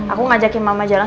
aku ngajakin mama jalan